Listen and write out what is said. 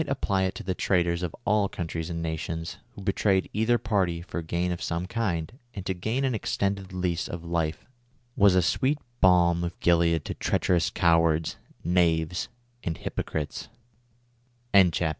315 apply it to the traitors of all countries and nations, who betrayed either party for gain of some kind, and to gain an extended lease of life was a sweet balm of Gilead to treacherous cowards, kn